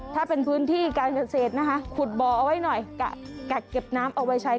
ถ้าเป็นพื้นที่การเกษตรนะคะขุดบ่อเอาไว้หน่อยกักเก็บน้ำเอาไว้ใช้